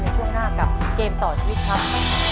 ช่วงหน้ากับเกมต่อชีวิตครับ